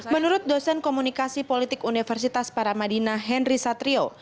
menurut dosen komunikasi politik universitas paramadina henry satrio